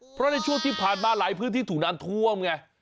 เพราะในช่วงที่ผ่านมาหลายพื้นที่ถูกน้ำท่วมไง